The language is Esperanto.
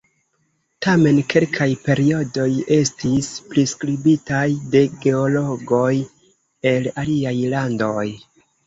Tamen, kelkaj periodoj estis priskribitaj de geologoj el aliaj landoj.